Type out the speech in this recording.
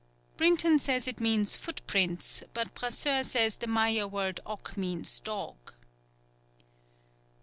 _ Brinton says it means "footprints," but Brasseur says the Maya word oc means "dog."